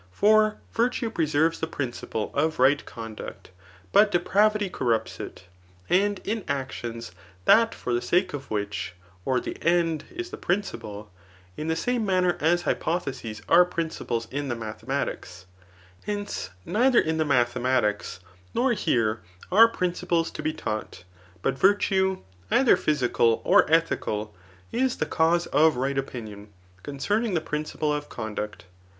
For virtue preserves the principle [of right conduct,] but depravity corrupts it ; and in actions that for the sake of which [or the end] is the principle, in the same manner as hypotheses are principles in the mathematics. Hence, neither in the Digitized by Google CHAP. VIII. ETHICS* 269 mathematics, nor here, are principles to be taught ; but virtue, either physical or ethical, is the cause of right opi nion concerning the principle [of conduct.